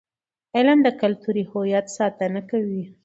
علم د کلتوري هویت ساتنه کوي.